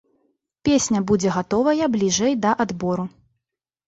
Песня будзе гатовая бліжэй да адбору.